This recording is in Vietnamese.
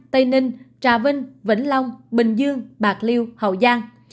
tây ninh trà vinh vĩnh long bình dương bạc liêu hậu giang